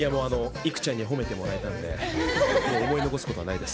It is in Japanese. いくちゃんに褒めてもらえたので思い残すことはないです。